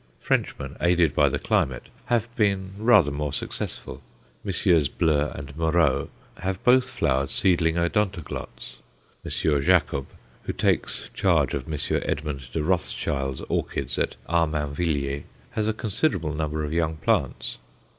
Frenchmen, aided by the climate, have been rather more successful. MM. Bleu and Moreau have both flowered seedling Odontoglots. M. Jacob, who takes charge of M. Edmund de Rothschild's orchids at Armainvilliers, has a considerable number of young plants.